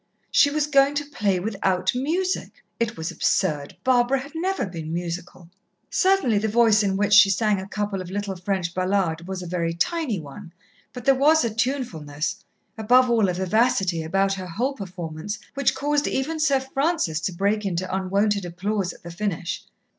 She was going to play without music! It was absurd; Barbara had never been musical. Certainly the voice in which she sang a couple of little French ballades, was a very tiny one, but there was a tunefulness, above all, a vivacity, about her whole performance which caused even Sir Francis to break into unwonted applause at the finish.